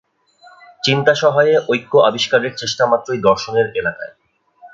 চিন্তাসহায়ে ঐক্য আবিষ্কারের চেষ্টামাত্রই দর্শনের এলাকায়।